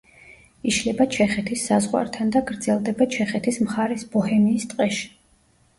იშლება ჩეხეთის საზღვართან და გრძელდება ჩეხეთის მხარეს, ბოჰემიის ტყეში.